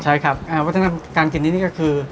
ใช่ครับวัฒนธรรมการกินที่นี่ก็คือ